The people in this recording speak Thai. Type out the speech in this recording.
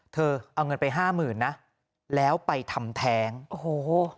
เอาเงินไปห้าหมื่นนะแล้วไปทำแท้งโอ้โห